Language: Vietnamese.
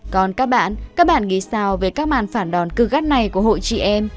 còn các bạn các bạn nghĩ sao về các màn phản đòn cư gắt này của hội chị em